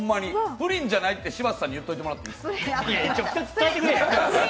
プリンじゃないって柴田さんに言ってもらっていいですか？